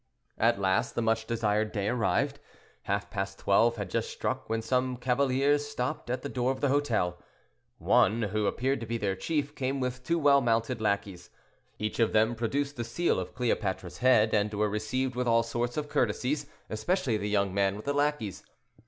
At last the much desired day arrived; half past twelve had just struck when some cavaliers stopped at the door of the hotel. One, who appeared to be their chief, came with two well mounted lackeys. Each of them produced the seal of Cleopatra's head, and were received with all sorts of courtesies, especially the young man with the lackeys.